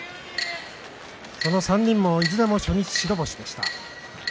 その３人も、いずれも初日白星でした。